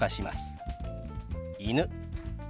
「犬」。